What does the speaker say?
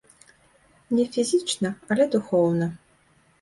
Не фізічна, але духоўна.